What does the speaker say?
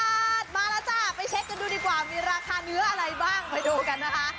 บาทมาแล้วจ้ะไปเช็คกันดูดีกว่ามีราคาเนื้ออะไรบ้างไปดูกันนะคะ